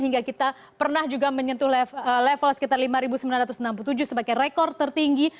hingga kita pernah juga menyentuh level sekitar lima sembilan ratus enam puluh tujuh sebagai rekor tertinggi